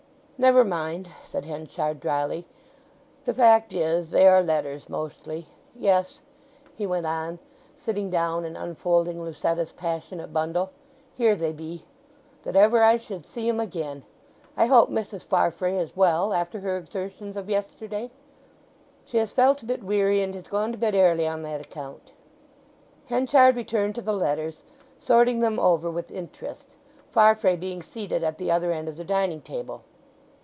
"Never mind," said Henchard drily. "The fact is they are letters mostly.... Yes," he went on, sitting down and unfolding Lucetta's passionate bundle, "here they be. That ever I should see 'em again! I hope Mrs. Farfrae is well after her exertions of yesterday?" "She has felt a bit weary; and has gone to bed airly on that account." Henchard returned to the letters, sorting them over with interest, Farfrae being seated at the other end of the dining table.